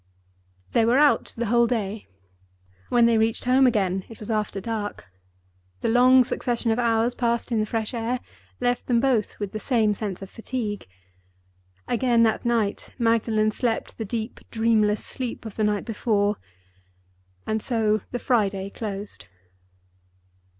They were out the whole day. When they reached home again, it was after dark. The long succession of hours passed in the fresh air left them both with the same sense of fatigue. Again that night Magdalen slept the deep dreamless sleep of the night before. And so the Friday closed.